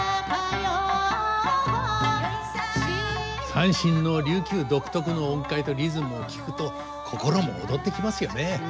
三線の琉球独特の音階とリズムを聴くと心も躍ってきますよね。